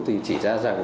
thì chỉ ra rằng